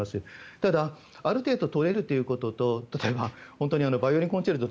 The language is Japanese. ただ、ある程度取れるということと本当にバイオリンコンチェルト